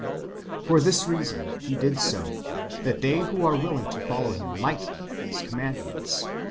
"^ For this reason [He did so], that they who are willing to follow Him might keep these commandments.